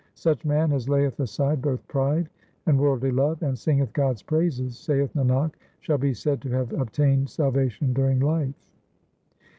Such man as layeth aside both pride and worldly love, and singeth God's praises, Saith Nanak, shall be said to have obtained salvation during life.